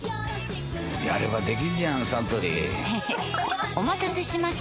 やればできんじゃんサントリーへへっお待たせしました！